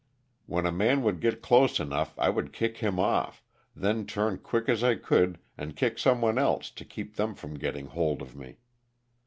When a man would get close enough I would kick him off, then turn quick as I could and kick someone else to keep them from getting hold of me.